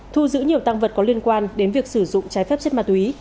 thu giữ nhiều tăng vật có liên quan đến việc sử dụng trái phép chất ma túy